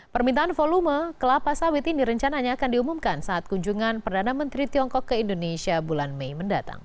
permintaan volume kelapa sawit ini rencananya akan diumumkan saat kunjungan perdana menteri tiongkok ke indonesia bulan mei mendatang